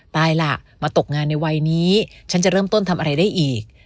ล่ะมาตกงานในวัยนี้ฉันจะเริ่มต้นทำอะไรได้อีก